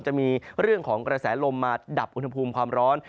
จะมีเรื่องของกระแสลมมาดับอุณหภูมิความร้อน